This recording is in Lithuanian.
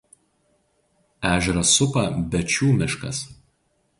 Ežerą supa Bečių miškas.